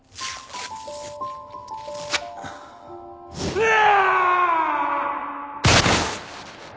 うわ！